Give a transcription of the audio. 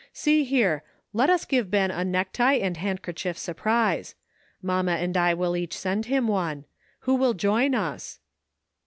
See here, let us give Ben a necktie and handkerchief surprise. Mamma and I will each send him one. Who will join us?